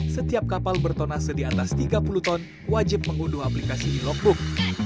setiap kapal bertonase di atas tiga puluh ton wajib mengunduh aplikasi e logbook